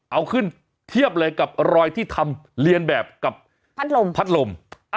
เอาขึ้นเทียบเลยกับรอยที่ทำเรียนแบบกับพัดลมพัดลม